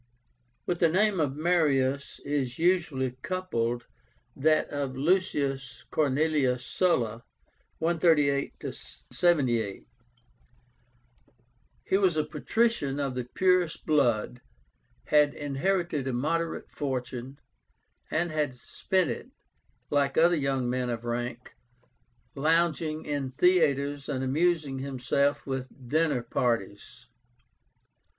With the name of MARIUS is usually coupled that of LUCIUS CORNELIUS SULLA (138 78). "He was a patrician of the purest blood, had inherited a moderate fortune, and had spent it, like other young men of rank, lounging in theatres and amusing himself with dinner parties.